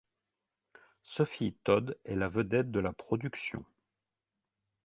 Sophie Todd est la vedette de la production.